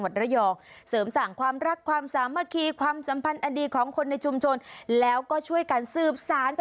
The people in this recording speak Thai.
ถ้าขูดมะพร้าวเป็นแปลว่าสวย